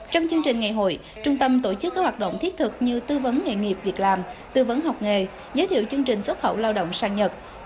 trong chương trình ngày hội trung tâm tổ chức các hoạt động thiết thực như tư vấn nghề nghiệp việc làm tư vấn học nghề giới thiệu chương trình xuất khẩu lao động sang nhật